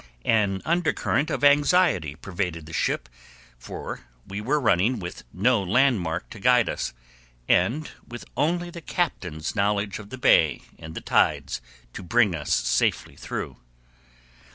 An undercurrent of anxiety pervaded the ship, for we were running with no landmark to guide us, and with only the captain's knowledge of the bay and the tides to bring us safely through.